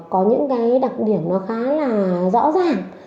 có những cái đặc điểm nó khá là rõ ràng